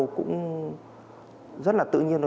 cũng rất là tự nhiên